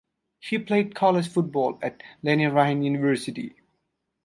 He played college football at Lenoir–Rhyne University.